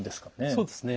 そうですね。